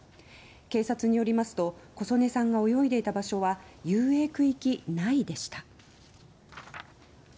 警察によりますと小曽根さんが泳いでいた場所は遊泳区域内でした。